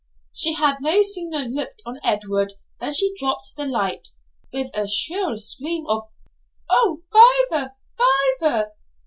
She had no sooner looked on Edward than she dropped the light, with a shrill scream of 'O feyther, feyther!'